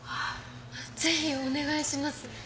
ぜひお願いします。